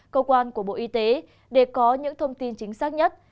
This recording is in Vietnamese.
cơ quan của bộ y tế để có những thông tin chính xác nhất